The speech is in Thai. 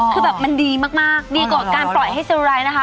คือแบบมันดีมากดีกว่าการปล่อยให้เซอร์ไรนะคะ